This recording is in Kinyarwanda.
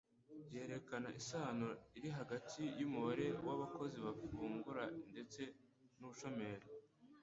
yerekana isano iri hagati y'umubare w'abakozi bafungura ndetse n'ubushomeri